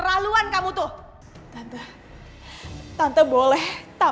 baru kamu lihat emik sisa